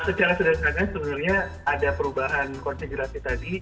secara sederhana sebenarnya ada perubahan konfigurasi tadi